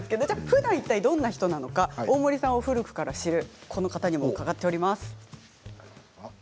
ふだんどんな方なのか大森さんを古くから知るこの方にも伺っています。